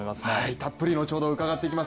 たっぷり後ほど伺っていきます。